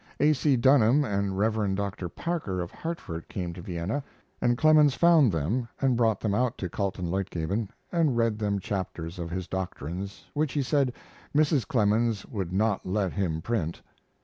A. C. Dunham and Rev. Dr. Parker, of Hartford, came to Vienna, and Clemens found them and brought them out to Kaltenleutgeben and read them chapters of his doctrines, which, he said, Mrs. Clemens would not let him print.